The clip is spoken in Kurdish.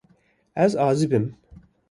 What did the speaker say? Ez azib im.